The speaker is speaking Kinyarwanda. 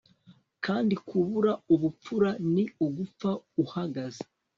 kandi kubura ubupfura ni ugapfa uhagaze